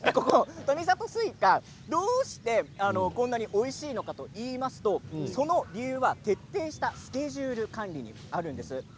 富里スイカ、どうしてこんなにおいしいのかといいますとその理由は徹底したスケジュール管理にあるんです。